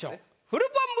フルポン